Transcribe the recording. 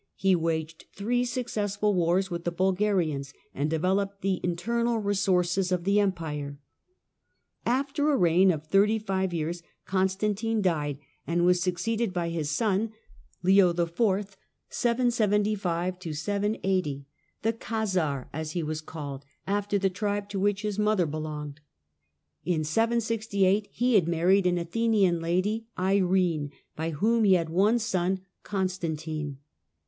He waged three successful wars with the Bulgarians and developed the internal resources of the Empire. Leo iv., After a reign of thirty five years, Constantine died and 775 780 &.. was succeeded by his son Leo IV. —" the Khazar, ' as he was called, after the tribe to which his mother be longed. In 768 he had married an Athenian lady Irene, by whom he had one son Constantine.